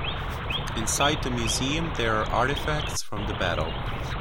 Inside the museum there are artifacts from the battle.